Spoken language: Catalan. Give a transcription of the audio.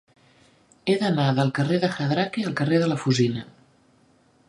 He d'anar del carrer de Jadraque al carrer de la Fusina.